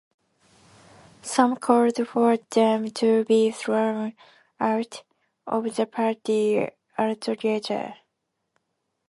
Some called for them to be thrown out of the party altogether.